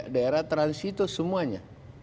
daerah transito semuanya